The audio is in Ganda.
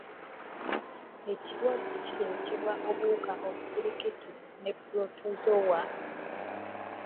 Ekirwadde kireetebwa obuwuka obusirikitu ne pulotozowa.